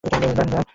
Brian, Brian.